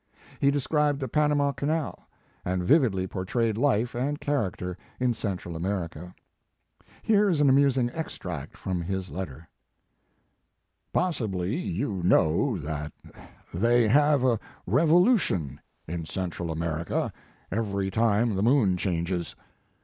He de scribed the Panama Canal, and vividly portrayed life and character in Central America. Here is an amusing extract from his letter: "Possibly you know that they have a His Life and Work. revolution in Central America every time the moon changes.